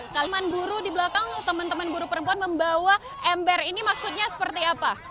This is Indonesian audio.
kaliman buruh di belakang teman teman buruh perempuan membawa ember ini maksudnya seperti apa